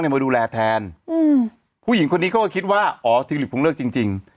มาดูแลแทนอืมผู้หญิงคนนี้เขาก็คิดว่าอ๋อทิวลิปคงเลิกจริงจริง